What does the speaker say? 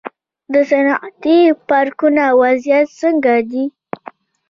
د صنعتي پارکونو وضعیت څنګه دی؟